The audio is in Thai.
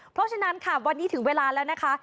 เพราะฉะนั้นค่ะวันนี้ถึงเวลาแล้วนะคะ